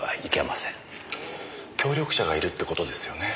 協力者がいるってことですよね。